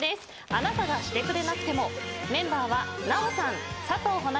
『あなたがしてくれなくても』メンバーは奈緒さんさとうほなみさん